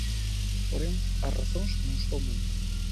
Porén, as razóns non só aumentan.